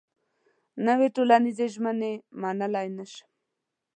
نوې ټولنيزې ژمنې منلای نه شم.